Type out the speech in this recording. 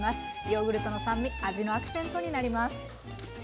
ヨーグルトの酸味味のアクセントになります。